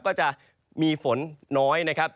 ก็จะมีฝนน้อยนะครับ